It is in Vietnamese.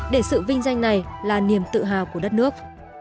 để sự vinh danh này là niềm tự hào của đất nước